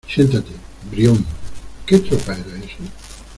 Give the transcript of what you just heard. siéntate, Brión... ¿ qué tropa era esa?